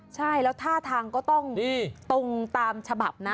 ใช่แล้วท่าทางก็ต้องตรงตามฉบับนะ